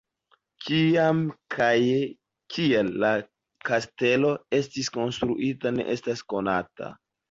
Kiam kaj kial la kastelo estis konstruita ne estas konata.